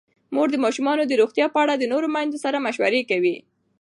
مور د ماشومانو د روغتیا په اړه د نورو میندو سره مشوره کوي.